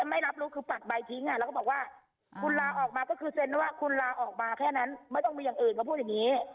ไม่รับรู้คือปักใบทิ้งแล้วก็บอกว่าคุณลาออกมาก็คือเซ็นว่าคุณลาออกมาแค่นั้นไม่ต้องมีอย่างอื่นก็พูดอย่างนี้